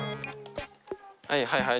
はいはいはい。